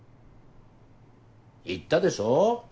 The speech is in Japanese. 言ったでしょ？